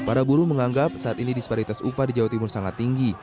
para buruh menganggap saat ini disparitas upah di jawa timur sangat tinggi